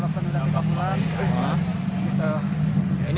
kita pun sudah dapat pendapatan tiga bulan